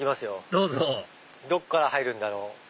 どうぞどっから入るんだろう？